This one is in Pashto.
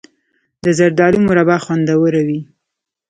د زردالو مربا خوندوره وي.